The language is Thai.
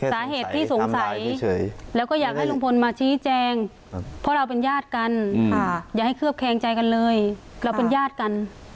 สาเหตุที่สงสัยแล้วก็อยากให้ลุงพลมาชี้แจงเพราะเราเป็นญาติกันอย่าให้เคลือบแคงใจกันเลยเราเป็นญาติกัน